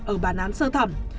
ở bản án sơ thẩm